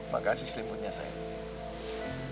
makasih selimutnya sayang